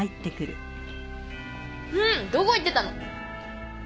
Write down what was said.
んっどこ行ってたの。